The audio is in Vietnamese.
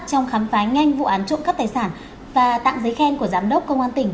trong khám phá nhanh vụ án trộm cắp tài sản và tặng giấy khen của giám đốc công an tỉnh